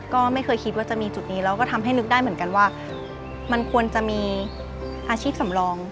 ก็ไม่เคยคิดว่าจะมีจุดนี้แล้วก็ทำให้นึกได้เหมือนกันว่ามันควรจะมีอาชีพสำรอง